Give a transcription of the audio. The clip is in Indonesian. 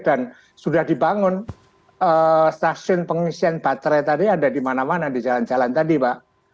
dan sudah dibangun stasiun pengisian baterai tadi ada di mana mana di jalan jalan tadi pak